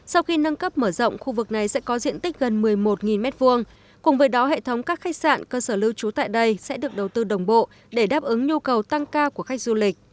sau khi nâng cấp mở rộng khu vực này sẽ có diện tích gần một mươi một m hai cùng với đó hệ thống các khách sạn cơ sở lưu trú tại đây sẽ được đầu tư đồng bộ để đáp ứng nhu cầu tăng cao của khách du lịch